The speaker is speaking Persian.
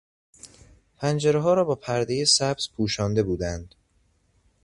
پنجرهها را با پردهی سبز پوشانده بودند.